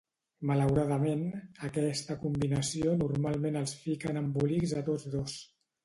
Malauradament, aquesta combinació normalment els fica en embolics a tots dos.